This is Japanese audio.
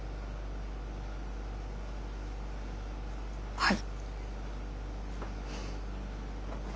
はい。